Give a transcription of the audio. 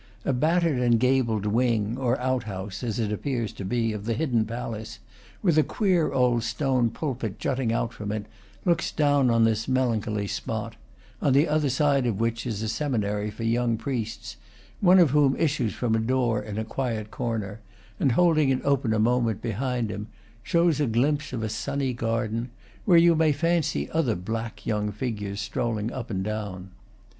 A battered and gabled wing, or out house (as it appears to be) of the hidden palace, with a queer old stone pulpit jutting out from it, looks down on this melancholy spot, on the other side of which is a seminary for young priests, one of whom issues from a door in a quiet corner, and, holding it open a moment behind him, shows a glimpse of a sunny garden, where you may fancy other black young figures strolling up and down.